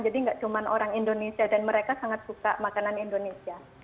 jadi nggak cuma orang indonesia dan mereka sangat suka makanan indonesia